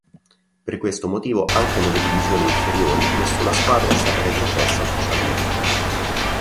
Per questo motivo anche nelle divisioni inferiori nessuna squadra è stata retrocessa ufficialmente.